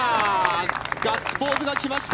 ガッツポーズが来ました。